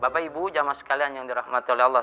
bapak ibu jamaskalian yang dirahmati oleh allah